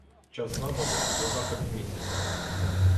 Час нападу — по заході місяця.